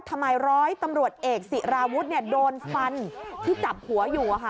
ร้อยตำรวจเอกศิราวุฒิโดนฟันที่จับหัวอยู่